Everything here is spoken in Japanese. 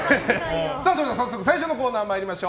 それでは早速最初のコーナー参りましょう。